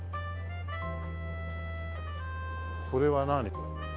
これは何？